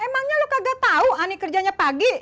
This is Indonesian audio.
emangnya lo kagak tahu ani kerjanya pagi